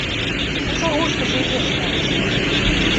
Ну, чаго ж ты жуеш моўчкі?!